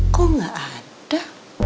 kok gak ada